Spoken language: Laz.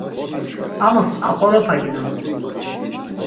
Amus aqoropaginon.